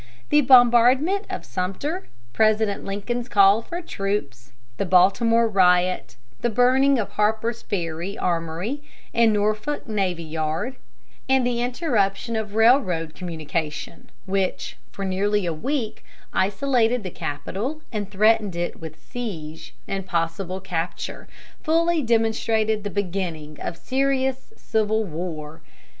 The bombardment of Sumter, President Lincoln's call for troops, the Baltimore riot, the burning of Harper's Ferry armory and Norfolk navy yard, and the interruption of railroad communication which, for nearly a week, isolated the capital and threatened it with siege and possible capture, fully demonstrated the beginning of serious civil war.